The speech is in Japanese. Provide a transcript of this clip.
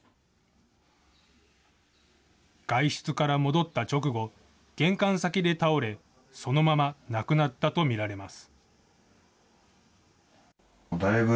外出から戻った直後、玄関先で倒れ、そのまま亡くなったと見られます。